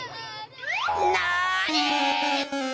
なに！？